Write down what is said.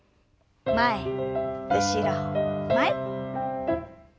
前後ろ前。